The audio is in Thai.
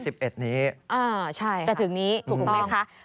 ใช่ครับถูกต้องจะถึงนี้ค่ะถูกต้อง